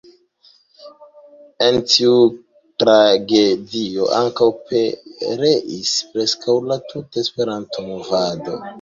En tiu tragedio ankaŭ pereis preskaŭ la tuta Esperanto-movado.